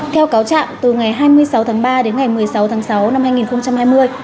theo cáo trạng từ ngày hai mươi sáu tháng ba đến ngày một mươi sáu tháng sáu năm hai nghìn hai mươi